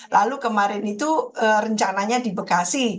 lalu kemarin itu rencananya di bekasi